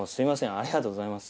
ありがとうございます。